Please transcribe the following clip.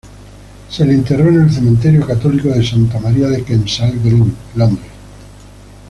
Se le enterró en el Cementerio católico de Santa María de Kensal Green, Londres.